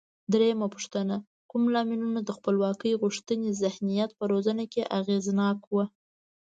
درېمه پوښتنه: کوم لاملونه د خپلواکۍ غوښتنې ذهنیت په روزنه کې اغېزناک و؟